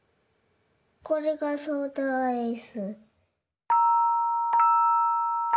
これがソーダアイス。